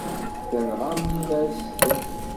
Tenɣam-as-t.